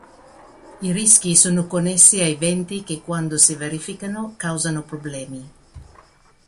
I rischi sono connessi a eventi che quando si verificano causano problemi.